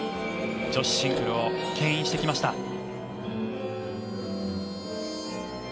女子シングルをけん引してきました。